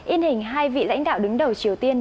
in hình hai vị lãnh đạo đứng đầu triều tiên